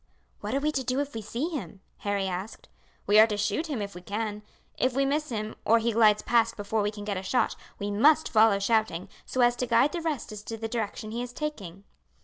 "What are we to do if we see him?" Harry asked. "We are to shoot him if we can. If we miss him, or he glides past before we can get a shot, we must follow shouting, so as to guide the rest as to the direction he is taking."